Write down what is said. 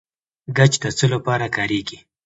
ګچ د څه لپاره کاریږي؟